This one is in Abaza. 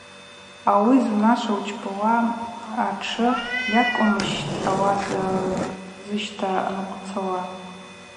Ауи зунашва учпауа атшы гьакӏвыммищтӏ ауат зыщта нкъвырцауа?